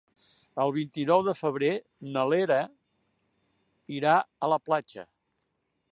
El vint-i-nou de febrer na Lea irà a la platja.